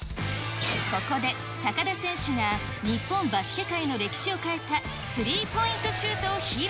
ここで高田選手が、日本バスケ界の歴史を変えたスリーポイントシュートを披露。